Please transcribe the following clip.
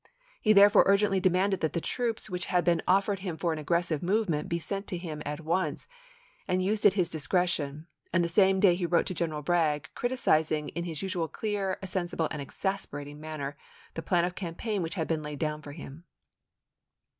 He, therefore, urgently demanded that the troops which had been offered him for an aggressive movement be sent him at once, and used at his discretion; and the same day he wrote to General Bragg, criticizing in his usual clear, sensible, and exasperating man ner the plan of campaign which had been laid down for him.